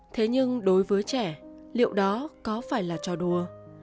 thế nhưng đối với trẻ liệu đó có phải là trò đua